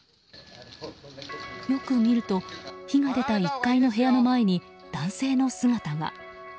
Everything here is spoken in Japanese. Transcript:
よく見ると火が出た１階の部屋の前に、男性の姿が。